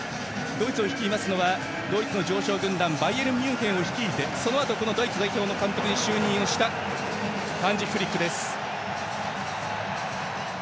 ドイツを率いますのはドイツの常勝軍団バイエルンミュンヘンを率いてドイツ代表の監督に就任したハンジ・フリックです。